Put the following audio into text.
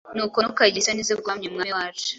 Nuko ntukagire isoni zo guhamya Umwami wacu,